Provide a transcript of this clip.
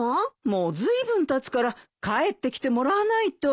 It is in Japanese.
もうずいぶんたつから帰ってきてもらわないと。